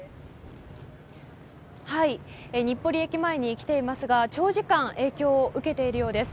日暮里駅前に来ていますが長時間影響を受けているようです。